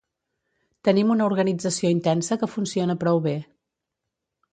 Tenim una organització intensa que funciona prou bé.